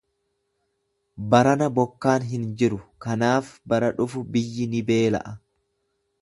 Barana bokkaan hin jiru kanaaf bara dhufu biyyi ni beela'a.